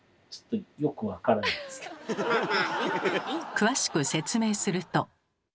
詳しく説明すると。